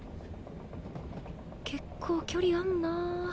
結構距離あんな。